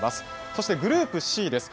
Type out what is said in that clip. そしてグループＣです。